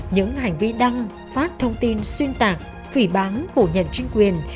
những hành vi đăng phát thông tin xuyên tạc phỉ báng phủ nhận chính quyền